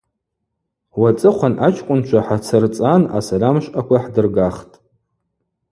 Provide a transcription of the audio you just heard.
Уацӏыхъван ачкӏвынчва хӏацырцӏан асальамшвъаква хӏдыргахтӏ.